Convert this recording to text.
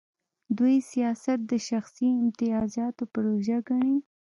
دوی سیاست د شخصي امتیازاتو پروژه ګڼي.